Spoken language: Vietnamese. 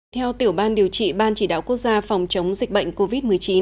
theo tiểu ban điều trị ban chỉ đạo quốc gia phòng chống dịch bệnh covid một mươi chín